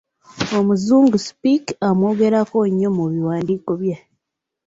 Omuzungu Speke amwogerako nnyo mu biwandiiko bye.